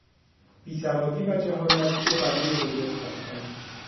بیسوادی و جهالت دوبلای بزرگ هستند.